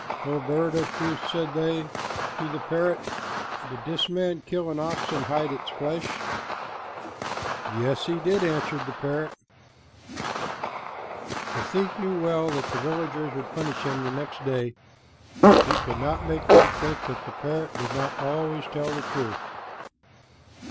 "O bird of truth," said they to the parrot, "did this man kill an ox and hide its flesh?" "Yes, he did," answered the parrot. The thief knew well that the villagers would punish him the next day, if he could not make them think that the parrot did not always tell the truth.